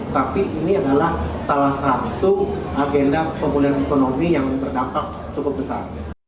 tapi ini adalah salah satu agenda pemulihan ekonomi yang berdampak cukup besar